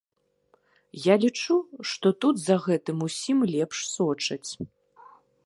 Я лічу, што тут за гэтым усім лепш сочаць.